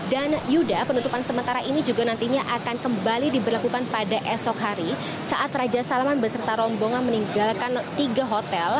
dan yuda penutupan sementara ini juga nantinya akan kembali diberlakukan pada esok hari saat raja salman beserta rombongan meninggalkan tiga hotel